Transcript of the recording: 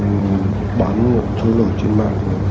trên mạng bán chỗ nổi trên mạng